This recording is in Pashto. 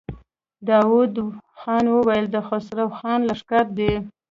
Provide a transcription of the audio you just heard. داوود خان وويل: د خسرو خان لښکر دی.